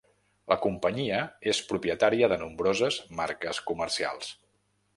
La companyia és propietària de nombroses marques comercials.